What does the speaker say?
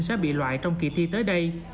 sẽ bị loại trong kỳ thi tới đây